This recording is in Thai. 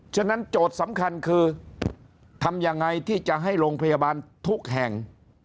ฉะนั้นโจทย์สำคัญคือทำยังไงที่จะให้โรงพยาบาลทุกแห่ง